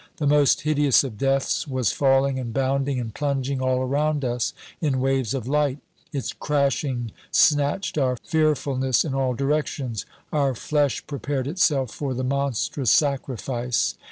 The most hideous of deaths was falling and bounding and plunging all around us in waves of light, its crashing snatched our fearfulness in all directions our flesh prepared itself for the monstrous sacrifice!